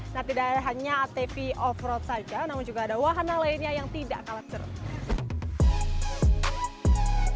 tapi daerahnya tv offroad saja namun juga ada wahana lainnya yang tidak kalah cerut